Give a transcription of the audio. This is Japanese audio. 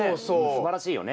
すばらしいよね。